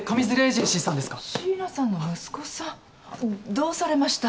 どうされました？